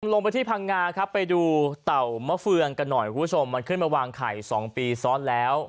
ลงไปที่พังงาครับไปดูเต่ามะเฟืองกันหน่อยคุณผู้ชมมันขึ้นมาวางไข่๒ปีซ้อนแล้ว